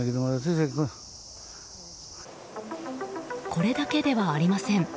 これだけではありません。